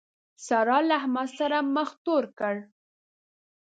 سارا له احمد سره مخ تور کړ.